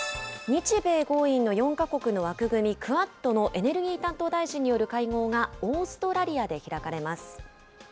日米豪印の４か国の枠組み、クアッドのエネルギー担当大臣による会合がオーストラリアで開かれます。